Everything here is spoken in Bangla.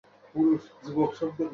তার কোন ক্ষতি হয় নি।